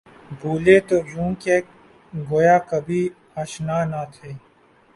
بُھولے تو یوں کہ گویا کبھی آشنا نہ تھے